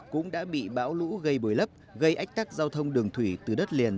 cũng đã bị bão lũ gây bồi lấp gây ách tắc giao thông đường thủy từ đất liền